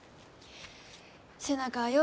背中はよ